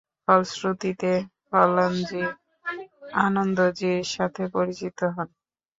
ফলশ্রুতিতে কল্যাণজী-আনন্দজী’র সাথে পরিচিত হন।